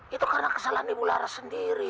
itu karena kesalahan ibu laras sendiri